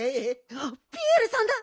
あっピエールさんだ。